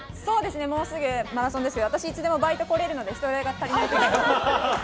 もうすぐマラソンですけど私はいつでもバイト来れるので人が足りない時はいつでも。